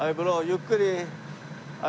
ゆっくり。